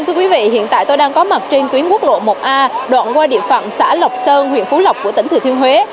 thưa quý vị tôi đang có mặt trên tuyến quốc lộ một a đoạn qua địa phận huyện phú lộc hương trà hương thủy